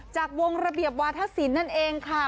จากวงระเบียบวาธศิลป์นั่นเองค่ะ